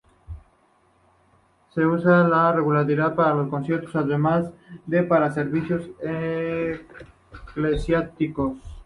Se usa con regularidad para conciertos, además de para servicios eclesiásticos.